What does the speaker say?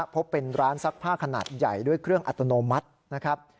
พบเป็นร้านซักผ้าขนาดใหญ่ด้วยเครื่องอัตโนมัตินะครับ